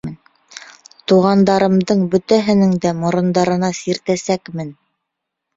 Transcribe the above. Туғандарымдың бөтәһенең дә морондарына сиртәсәкмен.